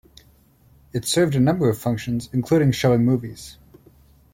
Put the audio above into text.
It served a number of functions, including showing movies.